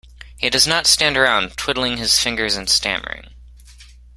He does not stand around, twiddling his fingers and stammering.